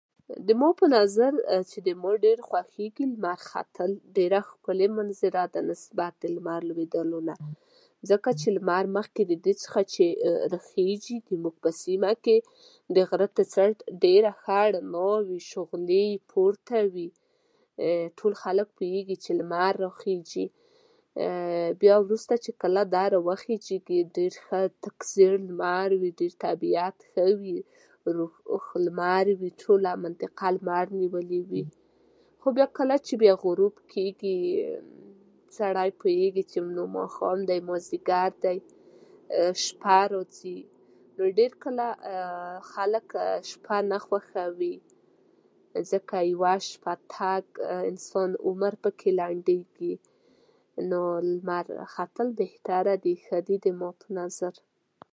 زما په نظر چې ما ډېر خوښېږي، لمر ختل ډېره ښکلې منظره ده نسبت د لمر لوېدلو څخه؛ ځکه چې مخکې د دې چې راخېژي، زموږ په سیمه کې د غره په سر، په څټ، ډېره ښه رڼا وي، شغلې پورته وي. ټول خلک پوهېږي چې لمر راخېژي. بیا وروسته چې کله دا راوخېژي، ډېر ښه تک زېړ لمر وي، د طبيعت ښه وي. [unintelligible] لمر وي، ټوله منطقه لمر نيولې وي. خو بیا کله چې غروب کېږي، سړی پوهېږي چې ماښام دی، مازدیګر دی، شپه راځي. نو ډېر کله خلک شپه نه خوښوي، ځکه یوه شپه تګ انسان عمر پکې لنډېږي. نو لمر ختل بهتره دي، ښه دي زما په نظر.